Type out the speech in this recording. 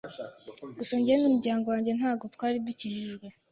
gusa njye n’umuryango wanjye ntago twari dukijijwe